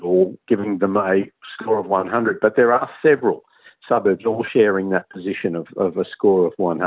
tapi ada beberapa suburb yang berbagi posisi skor seratus